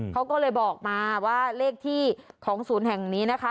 เขาก็เลยบอกมาว่าเลขที่ของศูนย์แห่งนี้นะคะ